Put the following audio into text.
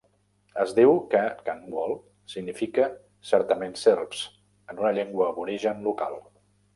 Es diu que "Kanwal" significa "certament serps" en una llengua aborigen local.